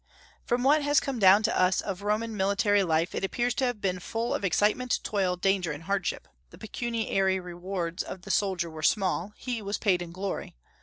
"] From what has come down to us of Roman military life, it appears to have been full of excitement, toil, danger, and hardship. The pecuniary rewards of the soldier were small; he was paid in glory.